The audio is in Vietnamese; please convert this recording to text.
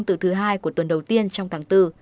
từ thứ hai của tuần đầu tiên trong tháng bốn